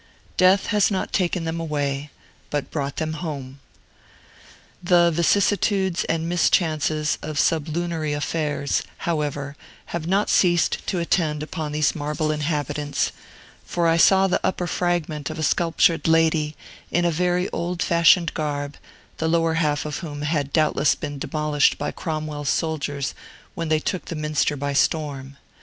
Death has not taken them away, but brought them home. The vicissitudes and mischances of sublunary affairs, however, have not ceased to attend upon these marble inhabitants; for I saw the upper fragment of a sculptured lady, in a very old fashioned garb, the lower half of whom had doubtless been demolished by Cromwell's soldiers when they took the Minster by storm.